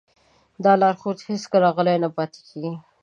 دا لارښود هېڅکله غلی نه پاتې کېږي.